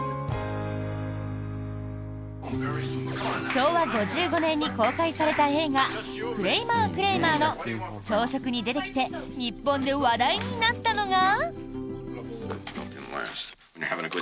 昭和５５年に公開された映画「クレイマー、クレイマー」の朝食に出てきて日本で話題になったのが。